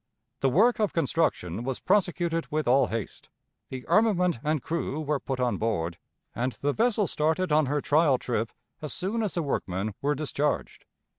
The work of construction was prosecuted with all haste, the armament and crew were put on board, and the vessel started on her trial trip as soon as the workmen were discharged.